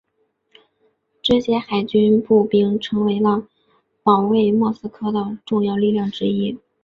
这些海军步兵成为了保卫莫斯科的重要力量之一。